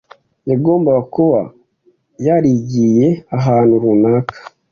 yagombaga kuba yarigiye ahantu runaka